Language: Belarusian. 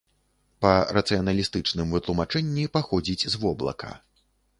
Па рацыяналістычным вытлумачэнні, паходзіць з воблака.